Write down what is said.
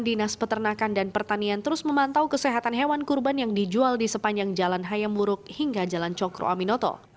dinas peternakan dan pertanian terus memantau kesehatan hewan kurban yang dijual di sepanjang jalan hayam buruk hingga jalan cokro aminoto